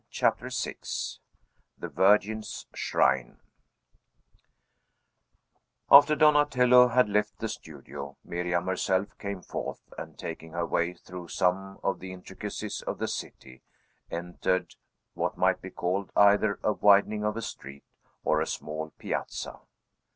CHAPTER VI THE VIRGIN'S SHRINE After Donatello had left the studio, Miriam herself came forth, and taking her way through some of the intricacies of the city, entered what might be called either a widening of a street, or a small piazza.